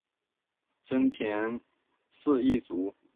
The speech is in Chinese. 真田氏一族。